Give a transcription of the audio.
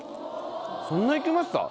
そんな行きました？